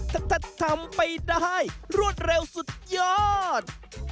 แต่ถ้าทำไปได้รวดเร็วสุดยอด